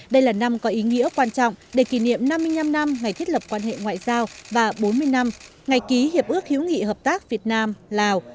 đây là năm có ý nghĩa quan trọng để kỷ niệm năm mươi năm năm ngày thiết lập quan hệ ngoại giao và bốn mươi năm ngày ký hiệp ước hữu nghị hợp tác việt nam lào